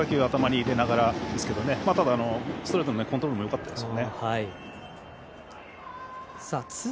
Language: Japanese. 変化球、頭に入れながらですけど、ストレートのコントロールもよかったです。